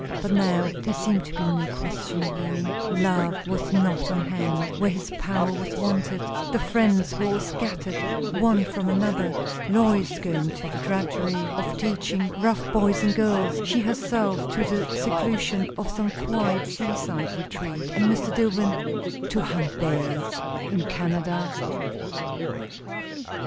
But now there seemed to be no question of wooing; Love was not on hand, where his power was wanted; the friends were all scattered one from another Lois going to the drudgery of teaching rough boys and girls, she herself to the seclusion of some quiet seaside retreat, and Mr. Dillwyn to hunt bears? in Canada.